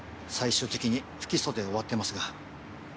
最終的に不起訴で終わってますが。